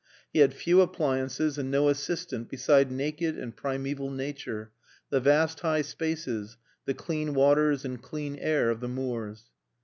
He had few appliances and no assistant beside naked and primeval nature, the vast high spaces, the clean waters and clean air of the moors.